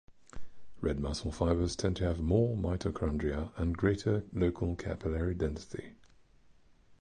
Red muscle fibers tend to have more mitochondria and greater local capillary density.